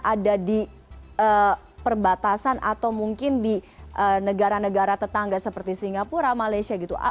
ada di perbatasan atau mungkin di negara negara tetangga seperti singapura malaysia gitu